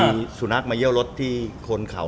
มีสุนัขต่อสูตรหิวที่คนเขา